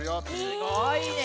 すごいね。